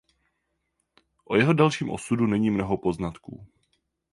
O jeho dalším osudu není mnoho poznatků.